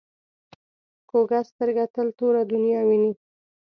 کوږه سترګه تل توره دنیا ویني